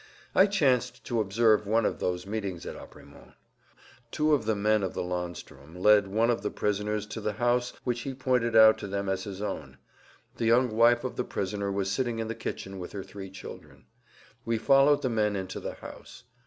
I chanced to observe one of those meetings at Apremont. Two men of the landstrum led one of the prisoners to the house which he pointed out to them as his own. The young wife of the prisoner was sitting in the kitchen with her three children. We followed the men into the house.